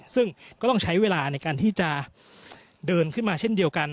ซึ่งก็ต้องใช้เวลาในการที่จะเดินขึ้นมาเช่นเดียวกัน